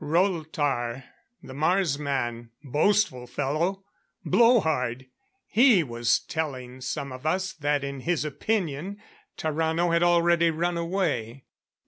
"Rolltar the Mars man boastful fellow, blow hard he was telling some of us that in his opinion Tarrano had already run away."